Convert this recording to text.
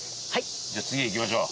じゃあ次行きましょう。